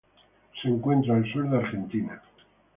Se encuentra al sur de Argentina.